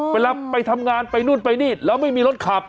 เวลาไปทำงานไปนู่นไปนี่แล้วไม่มีรถขับ